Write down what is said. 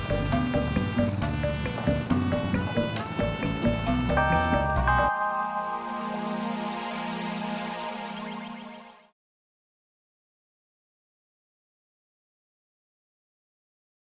helm itu buat dipake bukan buat dicium